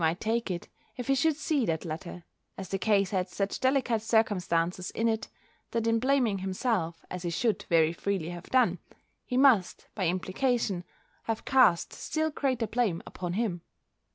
might take it, if he should see that letter, as the case had such delicate circumstances in it, that in blaming himself, as he should very freely have done, he must, by implication, have cast still greater blame upon him.